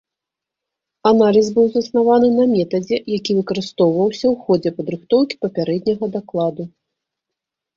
Аналіз быў заснаваны на метадзе, які выкарыстоўваўся ў ходзе падрыхтоўкі папярэдняга дакладу.